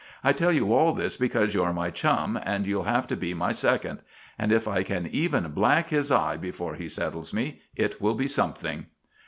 I tell you all this because you're my chum, and you'll have to be my second. And if I can even black his eye before he settles me, it will be something."